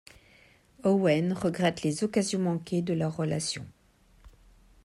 Owen regrette les occasions manquées de leur relation.